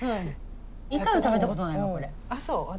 一回も食べたことないわこれ。